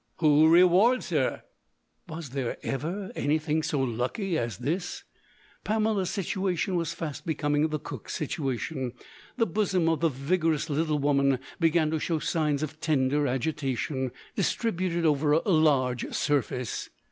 "Who rewards her?" Was there ever anything so lucky as this? Pamela's situation was fast becoming the cook's situation. The bosom of the vigourous little woman began to show signs of tender agitation distributed over a large surface.